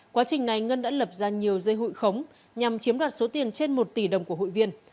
quá trình này ngân đã lập ra nhiều dây hụi khống nhằm chiếm đoạt số tiền trên một tỷ đồng của hội viên